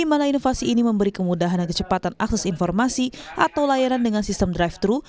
di mana inovasi ini memberi kemudahan dan kecepatan akses informasi atau layanan dengan sistem drive thru